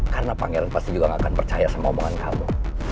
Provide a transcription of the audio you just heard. karena pangeran pasti juga gak akan percaya sama omongan kamu